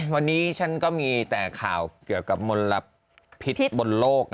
วันนี้ฉันก็มีแต่ข่าวเกี่ยวกับมลพิษบนโลก